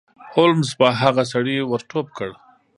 هولمز په هغه سړي ور ټوپ کړ.